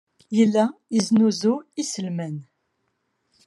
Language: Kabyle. Yella yesnuzuy iselman.